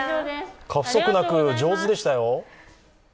過不足なく、上手でしたよ！